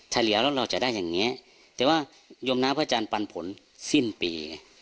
เฉลี่ยแล้วเราจะได้อย่างนี้แต่ว่ายมน้ำพระอาจารย์ปันผลสิ้นปี